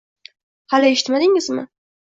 Hali eshitmadingizmi